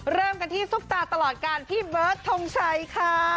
เริ่มกันที่ซุปตาตลอดการพี่เบิร์ดทงชัยค่ะ